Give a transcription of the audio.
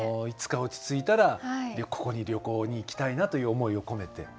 いつか落ち着いたらここに旅行に行きたいなという思いを込めて。